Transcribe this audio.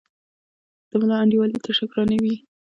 د ملا انډیوالي تر شکرانې وي